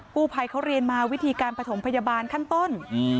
ผู้ภัยเขาเรียนมาวิธีการประถมพยาบาลขั้นต้น